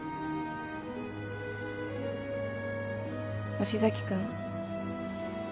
星崎君。